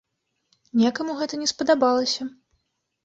Некаму гэта не спадабалася.